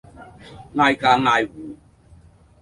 挨家挨戶